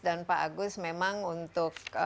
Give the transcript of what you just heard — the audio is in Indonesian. dan pak agus memang untuk